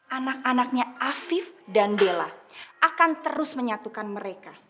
anak anaknya afif dan della akan terus menyatukan mereka